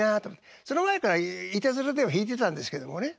その前からいたずらでは弾いてたんですけどもね。